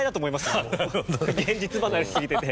もう現実離れしすぎてて。